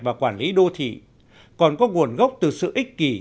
và quản lý đô thị còn có nguồn gốc từ sự ích kỷ